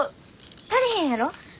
足りへんやろ？